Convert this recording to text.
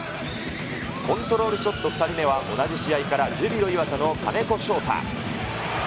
コントロールショット２人目は、同じ試合からジュビロ磐田の金子翔太。